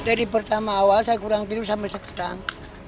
dari pertama awal saya kurang tidur sampai sekarang